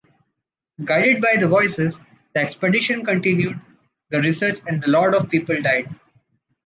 Guided by the voices, the expedition continued the research and a lot of people died.